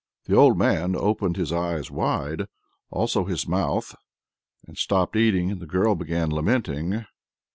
The old man opened his eyes wide, also his mouth, and stopped eating, and the girl began lamenting.